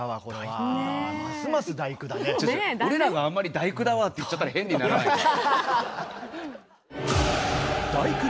俺らがあんまり「第９」だわって言っちゃったら変にならないか？